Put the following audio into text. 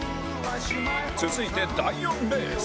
続いて第４レース